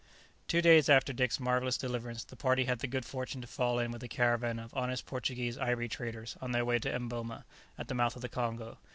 Two days after Dick's marvellous deliverance the party had the good fortune to fall in with a caravan of honest Portuguese ivory traders on their way to Emboma, at the mouth of the Congo.